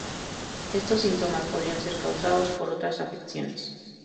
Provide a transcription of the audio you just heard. Estos síntomas podrían ser causados por otras afecciones.